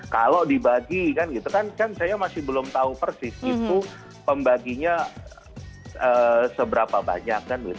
kalau dibagi kan gitu kan kan saya masih belum tahu persis itu pembaginya seberapa banyak